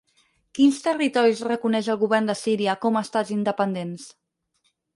Quins territoris reconeix el govern de Síria com a estats independents?